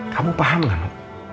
kamu paham gak no